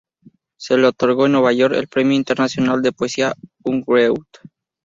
Se le otorgó en Nueva York el premio internacional de Poesía Underground.